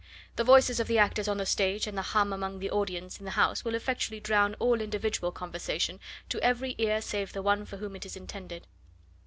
The voices of the actors on the stage and the hum among the audience in the house will effectually drown all individual conversation to every ear save the one for whom it is intended."